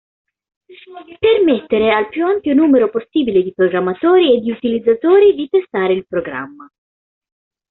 Permettere al più ampio numero possibile di programmatori e di utilizzatori di testare il programma.